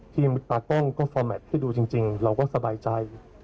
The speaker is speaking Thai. ตากล้องก็ฟอร์แมทให้ดูจริงเราก็สบายใจ